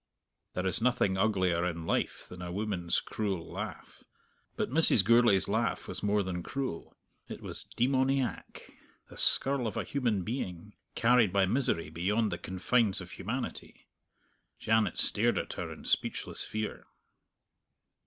There is nothing uglier in life than a woman's cruel laugh; but Mrs. Gourlay's laugh was more than cruel, it was demoniac the skirl of a human being carried by misery beyond the confines of humanity. Janet stared at her in speechless fear.